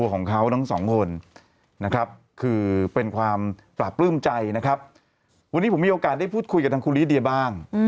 คือเป็นความปราบปลื้มใจนะครับวันนี้ผมมีโอกาสได้พูดคุยกับคุณลิเดียบ้าง